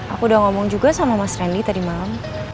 aku udah ngomong juga sama mas randy tadi malam